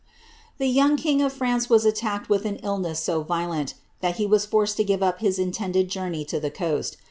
The young king of France was attacked with an illness so violent, that he was forced to give up his intended journey to the coast.